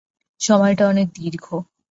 সময়টা অনেক দীর্ঘ।